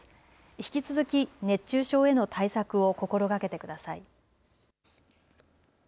引き続き熱中症への対策を心掛けてください。